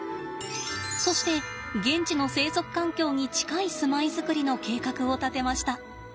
そして現地の生息環境に近い住まいづくりの計画を立てました。